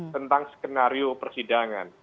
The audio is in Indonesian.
tentang skenario persidangan